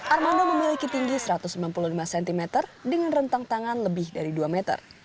armando memiliki tinggi satu ratus sembilan puluh lima cm dengan rentang tangan lebih dari dua meter